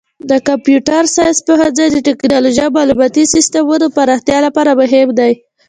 د کمپیوټر ساینس پوهنځی د تکنالوژۍ او معلوماتي سیسټمونو پراختیا لپاره مهم دی.